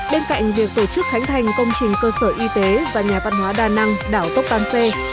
bên cạnh việc tổ chức khánh thành công trình cơ sở y tế và nhà văn hóa đa năng đảo tốc tan xê